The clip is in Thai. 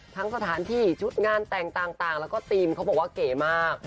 ทั้งสถานที่ชุดงานแต่งต่างแล้วก็มาเก๋มาก